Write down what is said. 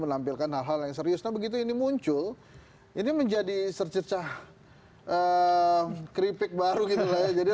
mengampilkan hal hal yang serius begitu ini muncul ini menjadi sercah keripik baru jadi